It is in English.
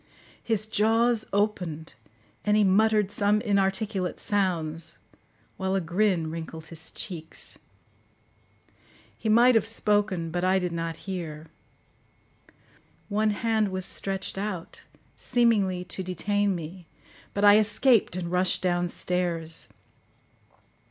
His jaws opened, and he muttered some inarticulate sounds, while a grin wrinkled his cheeks. He might have spoken, but I did not hear; one hand was stretched out, seemingly to detain me, but I escaped and rushed downstairs.